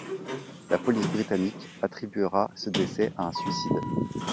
La police britannique attribuera ce décès à un suicide.